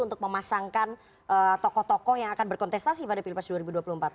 untuk memasangkan tokoh tokoh yang akan berkontestasi pada pilpres dua ribu dua puluh empat